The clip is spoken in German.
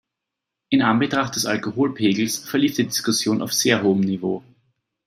In Anbetracht des Alkoholpegels verlief die Diskussion auf sehr hohem Niveau.